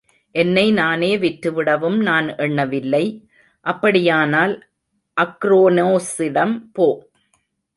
என்னை நானே விற்றுவிடவும் நான் எண்ணவில்லை. அப்படியானால் அக்ரோனோசிடம் போ!